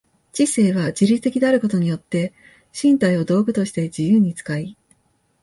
知性は自律的であることによって身体を道具として自由に使い、